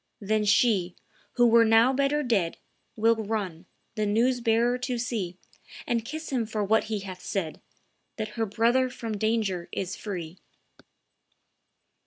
Then she, who were now better dead, Will run, the news bearer to see, And kiss him for what he hath said, That her brother from danger is free."